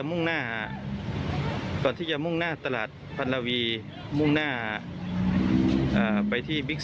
สงสัยจะเป็นการจับยาบ้า